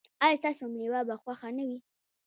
ایا ستاسو میوه به خوږه نه وي؟